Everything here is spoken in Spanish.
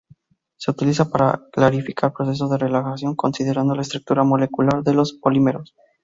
Se utiliza para clarificar procesos de relajación considerando la estructura molecular de los polímeros.